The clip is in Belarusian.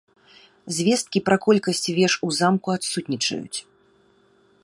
Звесткі пра колькасць веж у замку адсутнічаюць.